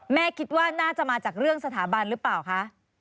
แม่คิดว่าน่าจะมาจากเรื่องสถาบันหรือเปล่าคะ